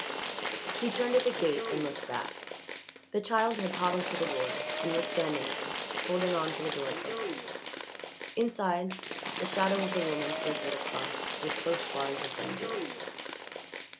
He turned at the gate and looked back. The child had toddled to the door and was standing there, holding on to the door post. Inside, the shadow of the woman flickered across the close bars of bamboo.